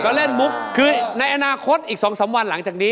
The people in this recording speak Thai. ก็เล่นมุกคือในอนาคตอีก๒๓วันหลังจากนี้